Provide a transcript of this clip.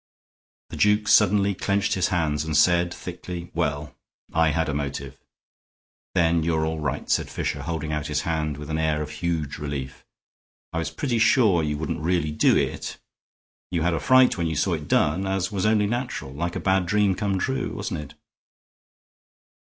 The duke suddenly clenched his hands and said, thickly, "Well, I had a motive." "Then you're all right," said Fisher, holding out his hand with an air of huge relief. "I was pretty sure you wouldn't really do it; you had a fright when you saw it done, as was only natural. Like a bad dream come true, wasn't it?"